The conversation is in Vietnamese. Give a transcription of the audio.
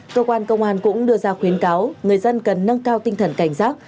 cơ quan công an cũng đưa ra khuyến cáo người dân cần nâng cao tinh thần cảnh giác